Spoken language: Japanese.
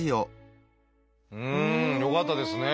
うんよかったですね。